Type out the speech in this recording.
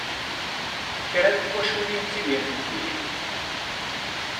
Kra n twaculin ttidirent di lḥif.